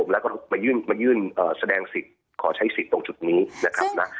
แล้วก็มายื่นแสดงสิทธิ์ขอใช้สิทธิ์ตรงจุดนี้นะครับนะ